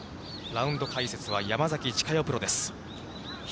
ラウンド解説は山崎千佳代プロです。